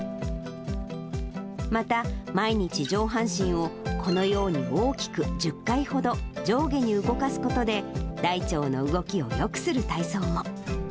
また、毎日上半身をこのように大きく１０回ほど上下に動かすことで、大腸の動きをよくする体操も。